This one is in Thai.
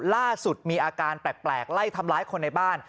ล่าสุดมีอาการแปลกไล่ทำร้ายคนในบ้าน